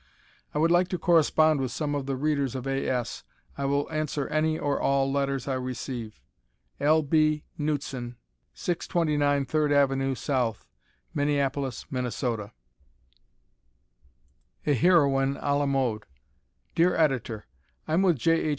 I would like to correspond with some of the Readers of A. S. I will answer any or all letters I receive. L. B. Knutson, 629 3rd Ave., So, Minneapolis, Minn. A Heroine a la Mode Dear Editor: I'm with J. H.